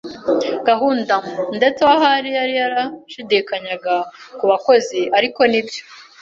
gahunda. Ndetse we, ahari, yari yarashidikanyaga ku bakozi, ariko nibyo